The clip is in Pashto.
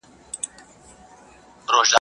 چي مشر ئې غُمبر وي، اختر بې مازديگر وي.